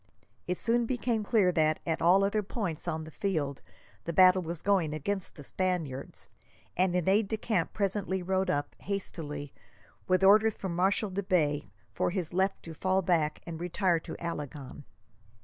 It soon became clear that, at all other points on the field, the battle was going against the Spaniards, and an aide de camp presently rode up, hastily, with orders from Marshal de Bay for his left to fall back and retire to Alagon.